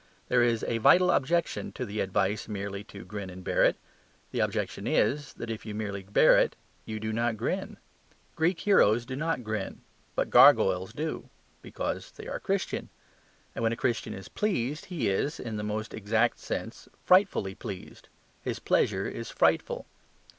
There is a vital objection to the advice merely to grin and bear it. The objection is that if you merely bear it, you do not grin. Greek heroes do not grin: but gargoyles do because they are Christian. And when a Christian is pleased, he is (in the most exact sense) frightfully pleased; his pleasure is frightful.